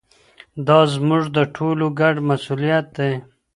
دا زموږ د ټولو ګډ مسووليت دی.